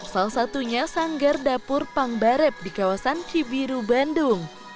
salah satunya sanggar dapur pangbarep di kawasan cibiru bandung